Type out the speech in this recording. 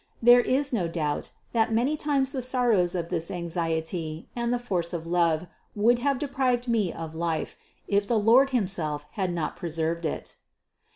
There is no doubt, that many times the sorrows of this anxiety and the force of love would have deprived me of life, if the Lord himself had not preserved it.